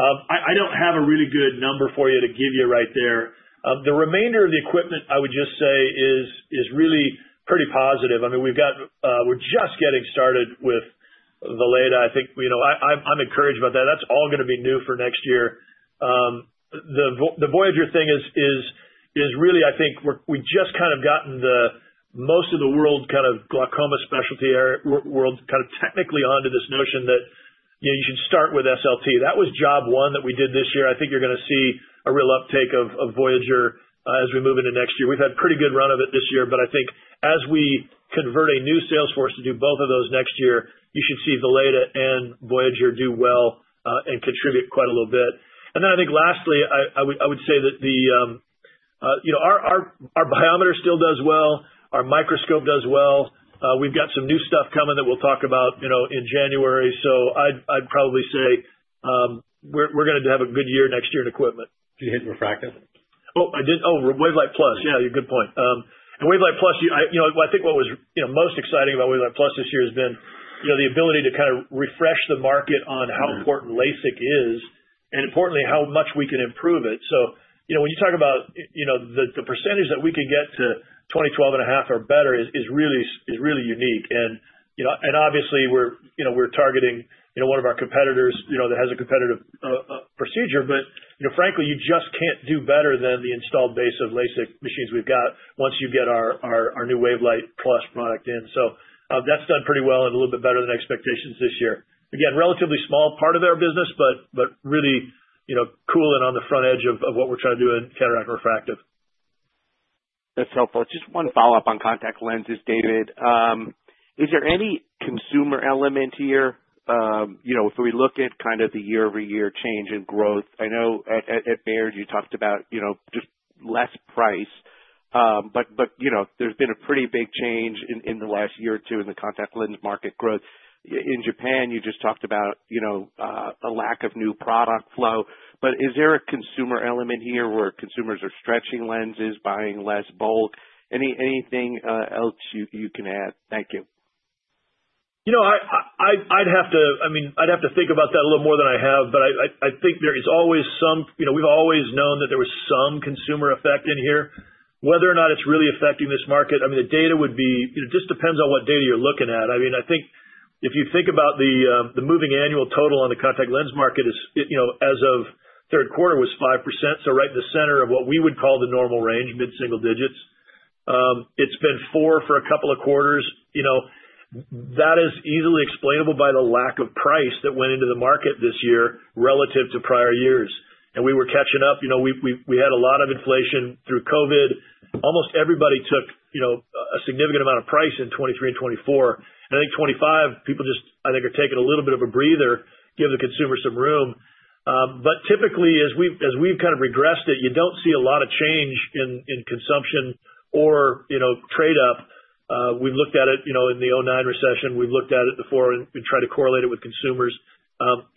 Speaker 3: I don't have a really good number for you to give you right there. The remainder of the Equipment, I would just say, is really pretty positive. I mean, we've got we're just getting started with Valeda. I think I'm encouraged about that. That's all going to be new for next year. The Voyager thing is really, I think we've just kind of gotten most of the world kind of glaucoma specialty world kind of technically onto this notion that you should start with SLT. That was job one that we did this year. I think you're going to see a real uptake of Voyager as we move into next year. We've had a pretty good run of it this year. But I think as we convert a new sales force to do both of those next year, you should see Valeda and Voyager do well and contribute quite a little bit. And then I think lastly, I would say that our biometer still does well. Our microscope does well. We've got some new stuff coming that we'll talk about in January. So I'd probably say we're going to have a good year next year in Equipment.
Speaker 4: Did you hit refractive?
Speaker 3: Oh, I didn't. Oh, WaveLight Plus. Yeah, you're a good point. And WaveLight Plus, I think what was most exciting about WaveLight Plus this year has been the ability to kind of refresh the market on how important LASIK is and importantly how much we can improve it. So when you talk about the percentage that we can get to 20, 12 and a half or better is really unique. And obviously, we're targeting one of our competitors that has a competitive procedure. But frankly, you just can't do better than the installed base of LASIK machines we've got once you get our new WaveLight Plus product in. So that's done pretty well and a little bit better than expectations this year. Again, relatively small part of our business, but really cool and on the front edge of what we're trying to do in cataract refractive.
Speaker 12: That's helpful. Just one follow-up on contact lenses, David. Is there any consumer element here? If we look at kind of the year-over-year change in growth, I know at Baird you talked about just less price. But there's been a pretty big change in the last year or two in the contact lens market growth. In Japan, you just talked about a lack of new product flow. But is there a consumer element here where consumers are stretching lenses, buying less bulk? Anything else you can add? Thank you.
Speaker 3: I'd have to, I mean, think about that a little more than I have. But I think there is always some. We've always known that there was some consumer effect in here. Whether or not it's really affecting this market, I mean, the data would be. It just depends on what data you're looking at. I mean, I think if you think about the moving annual total on the contact lens market as of Q3 was 5%. So right in the center of what we would call the normal range, mid-single digits. It's been 4% for a couple of quarters. That is easily explainable by the lack of price that went into the market this year relative to prior years. And we were catching up. We had a lot of inflation through COVID. Almost everybody took a significant amount of price in 2023 and 2024. And I think 2025, people just, I think, are taking a little bit of a breather to give the consumer some room. But typically, as we've kind of regressed it, you don't see a lot of change in consumption or trade-up. We've looked at it in the 2009 recession. We've looked at it before and tried to correlate it with consumers.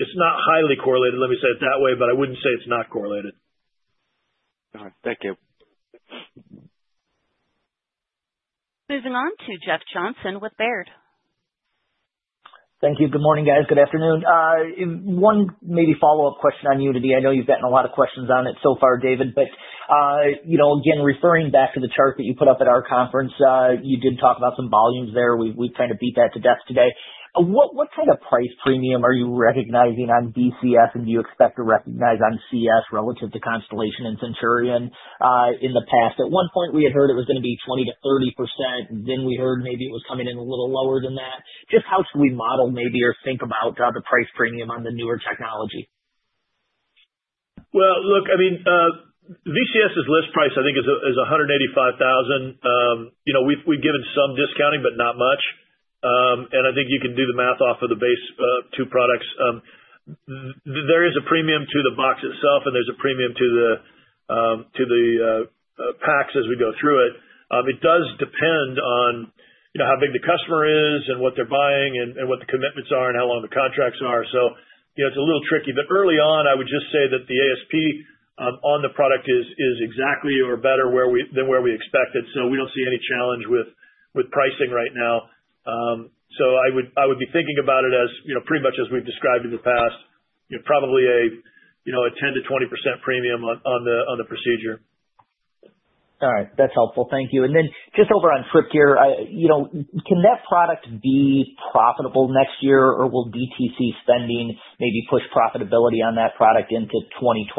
Speaker 3: It's not highly correlated, let me say it that way. But I wouldn't say it's not correlated.
Speaker 12: All right. Thank you.
Speaker 1: Moving on to Jeff Johnson with Baird.
Speaker 13: Thank you. Good morning, guys. Good afternoon. One maybe follow-up question on Unity. I know you've gotten a lot of questions on it so far, David. But again, referring back to the chart that you put up at our conference, you did talk about some volumes there. We've kind of beat that to death today. What kind of price premium are you recognizing on VCS, and do you expect to recognize on CS relative to Constellation and Centurion in the past? At one point, we had heard it was going to be 20% to 30%. Then we heard maybe it was coming in a little lower than that. Just how should we model maybe or think about the price premium on the newer technology?
Speaker 3: Well, look, I mean, VCS's list price, I think, is $185,000. We've given some discounting, but not much. And I think you can do the math off of the base two products. There is a premium to the box itself, and there's a premium to the packs as we go through it. It does depend on how big the customer is and what they're buying and what the commitments are and how long the contracts are. So it's a little tricky. But early on, I would just say that the ASP on the product is exactly or better than where we expected. So we don't see any challenge with pricing right now. So I would be thinking about it as pretty much as we've described in the past, probably a 10% to 20% premium on the procedure.
Speaker 13: All right. That's helpful. Thank you. And then just over on Tryptyr, can that product be profitable next year, or will DTC spending maybe push profitability on that product into 2027?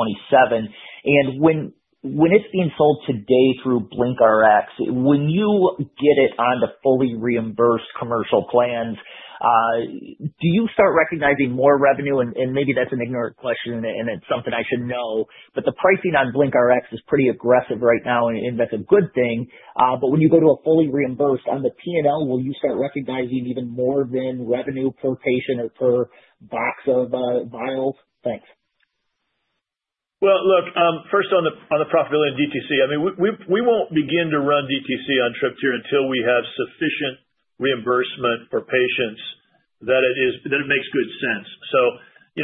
Speaker 13: And when it's being sold today through BlinkRx, when you get it onto fully reimbursed commercial plans, do you start recognizing more revenue? And maybe that's an ignorant question, and it's something I should know. But the pricing on BlinkRx is pretty aggressive right now, and that's a good thing. But when you go to a fully reimbursed on the P&L, will you start recognizing even more than revenue per patient or per box of Vials? Thanks.
Speaker 3: Look, first on the profitability on DTC, I mean, we won't begin to run DTC on Tryptyr until we have sufficient reimbursement for patients that it makes good sense. So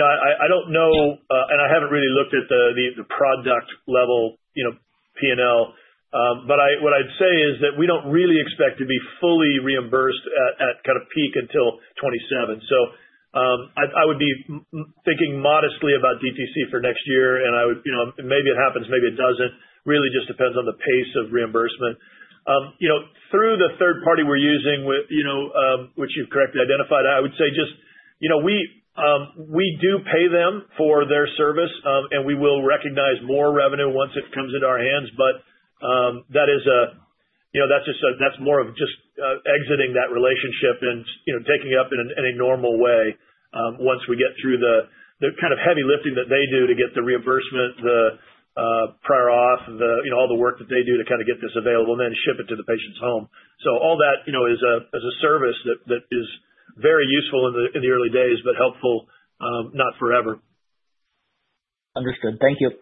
Speaker 3: I don't know, and I haven't really looked at the product level P&L. But what I'd say is that we don't really expect to be fully reimbursed at kind of peak until 2027. So I would be thinking modestly about DTC for next year. Maybe it happens, maybe it doesn't. Really just depends on the pace of reimbursement. Through the third party we're using, which you've correctly identified, I would say just we do pay them for their service, and we will recognize more revenue once it comes into our hands. But that is, that's more of just exiting that relationship and taking it up in a normal way once we get through the kind of heavy lifting that they do to get the reimbursement, the prior auth, all the work that they do to kind of get this available, and then ship it to the patient's home. So all that is a service that is very useful in the early days, but helpful not forever.
Speaker 13: Understood. Thank you.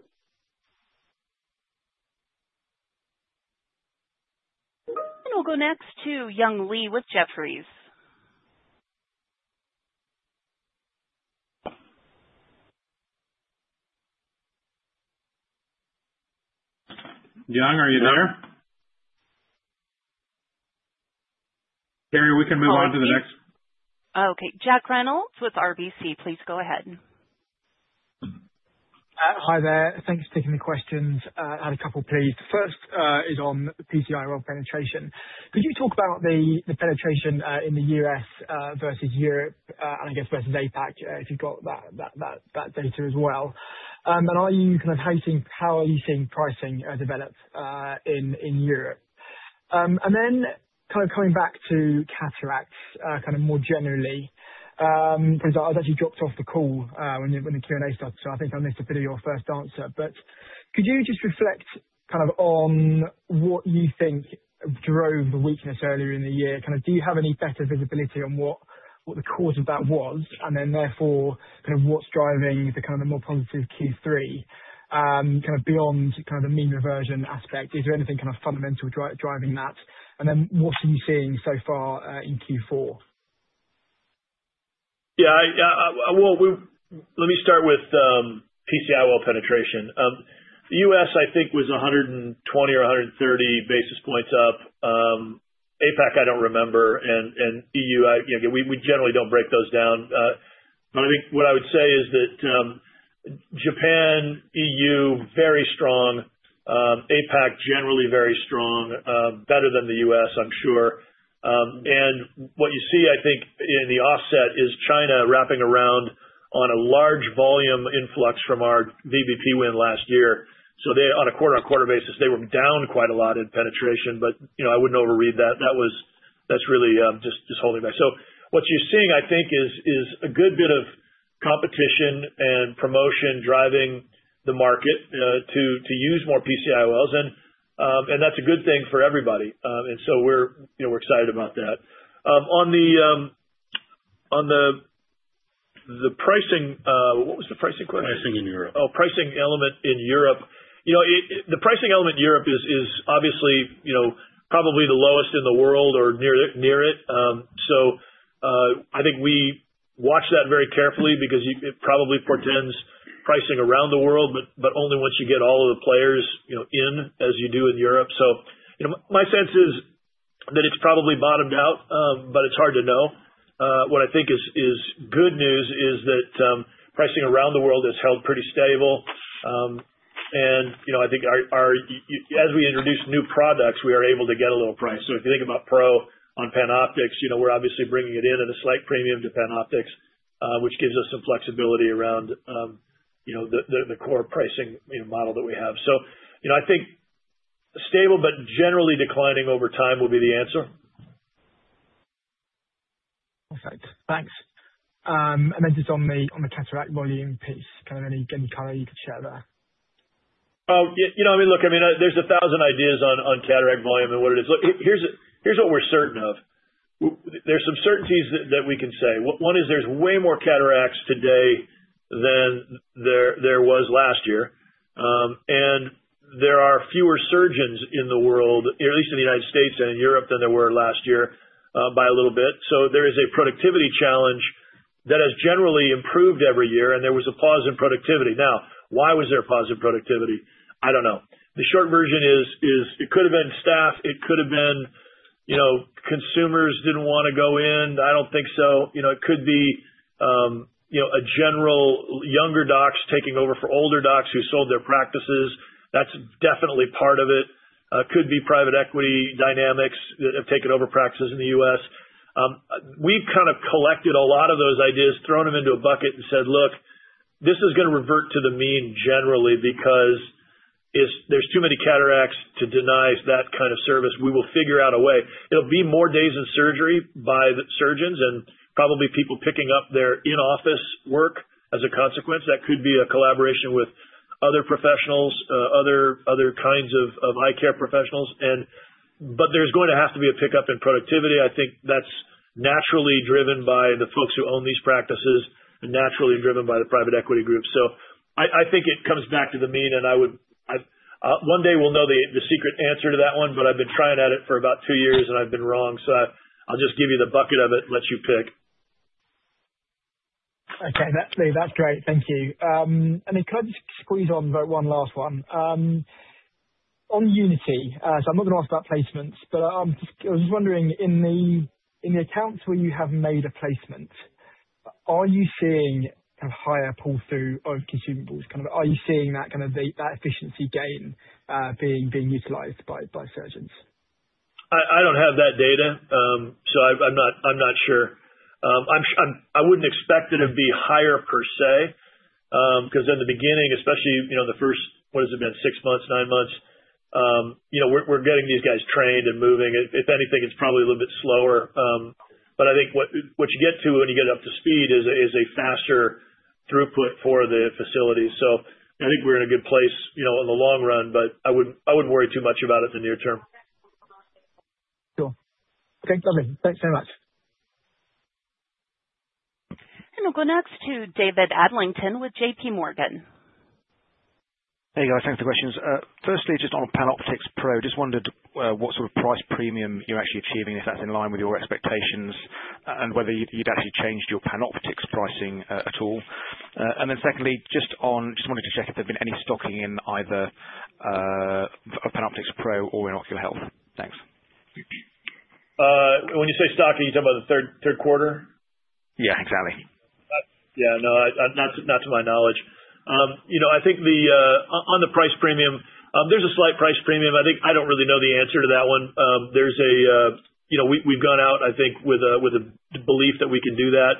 Speaker 1: We'll go next to Young Li with Jefferies.
Speaker 2: Young, are you there? Terry, we can move on to the next.
Speaker 1: Okay. Jack Reynolds with RBC. Please go ahead.
Speaker 14: Hi, there. Thanks for taking the questions. I had a couple, please. The first is on PC-IOL penetration. Could you talk about the penetration in the US versus Europe and I guess versus APAC, if you've got that data as well? And are you kind of how are you seeing pricing develop in Europe? And then kind of coming back to cataracts kind of more generally, because I've actually dropped off the call when the Q&A started, so I think I missed a bit of your first answer. But could you just reflect kind of on what you think drove the weakness earlier in the year? Kind of do you have any better visibility on what the cause of that was? And then therefore, kind of what's driving the kind of the more positive Q3 kind of beyond kind of the mean reversion aspect? Is there anything kind of fundamental driving that? And then what are you seeing so far in Q4?
Speaker 3: Yeah. Well, let me start with PC-IOL penetration. The US, I think, was 120 to 130 basis points up. APAC, I don't remember. And EU, we generally don't break those down. But I think what I would say is that Japan, EU, very strong. APAC, generally very strong, better than the US, I'm sure. And what you see, I think, in the offset is China wrapping around on a large volume influx from our VBP win last year. So on a quarter-on-quarter basis, they were down quite a lot in penetration. But I wouldn't overread that. That's really just holding back. So what you're seeing, I think, is a good bit of competition and promotion driving the market to use more PC-IOLs. And that's a good thing for everybody. And so we're excited about that. On the pricing, what was the pricing question?
Speaker 14: Pricing in Europe.
Speaker 3: Oh, pricing element in Europe. The pricing element in Europe is obviously probably the lowest in the world or near it. So I think we watch that very carefully because it probably portends pricing around the world, but only once you get all of the players in as you do in Europe. So my sense is that it's probably bottomed out, but it's hard to know. What I think is good news is that pricing around the world has held pretty stable. And I think as we introduce new products, we are able to get a low price. So if you think about PanOptix Pro, we're obviously bringing it in at a slight premium to PanOptix, which gives us some flexibility around the core pricing model that we have. So I think stable, but generally declining over time will be the answer.
Speaker 14: Perfect. Thanks. And then just on the cataract volume piece, kind of any color you could share there?
Speaker 3: Oh, I mean, look, I mean, there's 1000 ideas on cataract volume and what it is. Look, here's what we're certain of. There's some certainties that we can say. One is there's way more cataracts today than there was last year, and there are fewer surgeons in the world, at least in the United States and in Europe, than there were last year by a little bit, so there is a productivity challenge that has generally improved every year, and there was a pause in productivity. Now, why was there a pause in productivity? I don't know. The short version is it could have been staff. It could have been consumers didn't want to go in. I don't think so. It could be a general younger docs taking over for older docs who sold their practices. That's definitely part of it. It could be private equity dynamics that have taken over practices in the US We've kind of collected a lot of those ideas, thrown them into a bucket, and said, "Look, this is going to revert to the mean generally because there's too many cataracts to deny that kind of service. We will figure out a way." It'll be more days in surgery by the surgeons and probably people picking up their in-office work as a consequence. That could be a collaboration with other professionals, other kinds of eye care professionals. But there's going to have to be a pickup in productivity. I think that's naturally driven by the folks who own these practices and naturally driven by the private equity group. So I think it comes back to the mean. And one day we'll know the secret answer to that one. But I've been trying at it for about two years, and I've been wrong. So I'll just give you the bucket of it and let you pick.
Speaker 14: Okay. That's great. Thank you. And then could I just squeeze on one last one? On Unity, so I'm not going to ask about placements. But I was just wondering, in the accounts where you have made a placement, are you seeing a higher pull-through of Consumables? Kind of are you seeing that kind of efficiency gain being utilized by surgeons?
Speaker 3: I don't have that data. So I'm not sure. I wouldn't expect it to be higher per se because in the beginning, especially the first, what has it been, six months, nine months, we're getting these guys trained and moving. If anything, it's probably a little bit slower. But I think what you get to when you get up to speed is a faster throughput for the facility. So I think we're in a good place in the long run. But I wouldn't worry too much about it in the near term.
Speaker 14: Cool. Thanks, Lovely. Thanks very much.
Speaker 1: And we'll go next to David Adlington with JPMorgan.
Speaker 15: Hey, guys. Thanks for the questions. Firstly, just on PanOptix Pro, just wondered what sort of price premium you're actually achieving, if that's in line with your expectations, and whether you'd actually changed your PanOptix pricing at all, and then secondly, just wanted to check if there's been any stocking in either PanOptix Pro or in Ocular Health? Thanks.
Speaker 3: When you say stocking, you're talking about the Q3?
Speaker 15: Yeah, exactly.
Speaker 3: Yeah. No, not to my knowledge. I think on the price premium, there's a slight price premium. I think I don't really know the answer to that one. We've gone out, I think, with a belief that we can do that.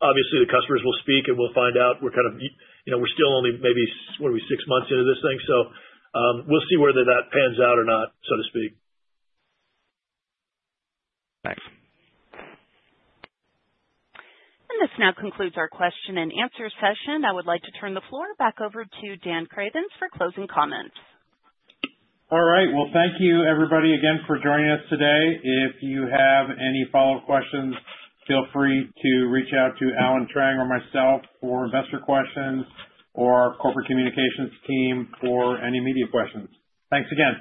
Speaker 3: Obviously, the customers will speak, and we'll find out. We're kind of still only maybe, what are we, six months into this thing. So we'll see whether that pans out or not, so to speak.
Speaker 15: Thanks.
Speaker 1: This now concludes our question and answer session. I would like to turn the floor back over to Dan Cravens for closing comments.
Speaker 2: All right. Well, thank you, everybody, again for joining us today. If you have any follow-up questions, feel free to reach out to Allen Trang or myself for investor questions or our corporate communications team for any media questions. Thanks again.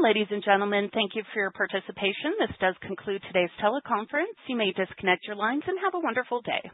Speaker 1: Ladies and gentlemen, thank you for your participation. This does conclude today's teleconference. You may disconnect your lines and have a wonderful day.